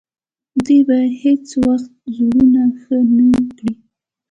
دوی به هیڅ وخت زړونه ښه نه کړي.